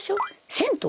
銭湯？